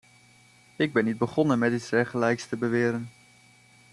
Ik ben niet begonnen met iets dergelijks te beweren.